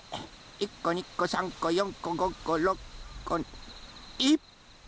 １こ２こ３こ４こ５こ６こいっぱい！